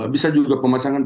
bisa juga pemasangan